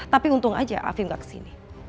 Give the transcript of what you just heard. tapi untung aja afif gak kesini